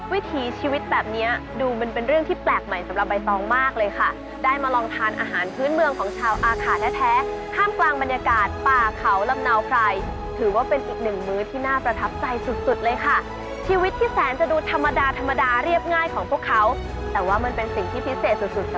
วิถีชีวิตแบบเนี้ยดูมันเป็นเรื่องที่แปลกใหม่สำหรับใบตองมากเลยค่ะได้มาลองทานอาหารพื้นเมืองของชาวอาขาแท้ท่ามกลางบรรยากาศป่าเขาลำเนาไพรถือว่าเป็นอีกหนึ่งมื้อที่น่าประทับใจสุดสุดเลยค่ะชีวิตที่แสนจะดูธรรมดาธรรมดาเรียบง่ายของพวกเขาแต่ว่ามันเป็นสิ่งที่พิเศษสุด